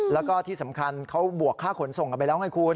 แล้วก็ที่สำคัญเขาบวกค่าขนส่งกันไปแล้วไงคุณ